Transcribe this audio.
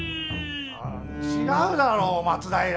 違うだろう松平！